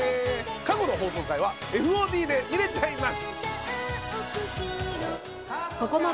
過去の放送回はＦＯＤで見れちゃいます。